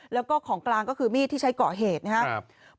แล้วก็ของกลางก็คือมีดที่ใช้ก่อเหตุนะครับ